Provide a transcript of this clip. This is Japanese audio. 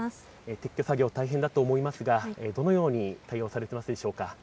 撤去作業、大変だと思いますが、どのように対応されていますでしょうか。